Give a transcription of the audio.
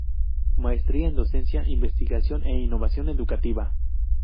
Maestría en Docencia, Investigación e Innovación Educativa.